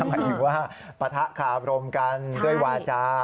หมายถึงว่าปะทะคาบรมกันด้วยวาจา